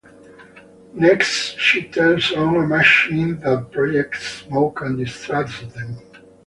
Next, she turns on a machine that projects smoke and distracts them.